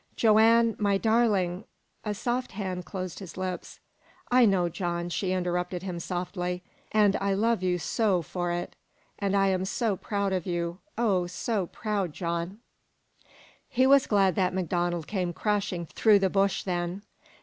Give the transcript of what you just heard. "Joanne, my darling " A soft hand closed his lips. "I know, John," she interrupted him softly. "And I love you so for it, and I'm so proud of you oh, so proud, John!" He was glad that MacDonald came crashing through the bush then.